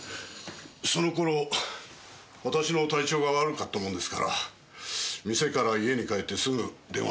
その頃私の体調が悪かったもんですから店から家に帰ってすぐ電話をくれたんです。